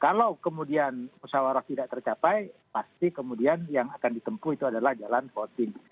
kalau kemudian musyawarah tidak tercapai pasti kemudian yang akan ditempuh itu adalah jalan voting